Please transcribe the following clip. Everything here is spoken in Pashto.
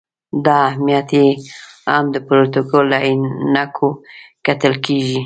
دا اهمیت یې هم د پروتوکول له عینکو کتل کېږي.